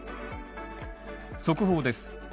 速報です。